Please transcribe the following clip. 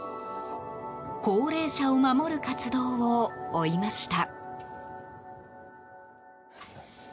高齢者を守る活動を追いました。